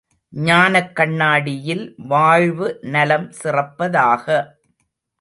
ஞானக் கண்ணாடியில் வாழ்வு நலம் சிறப்பதாக!